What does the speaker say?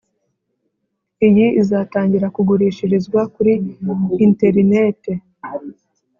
Iyi izatangira kugurishirizwa kuri interinete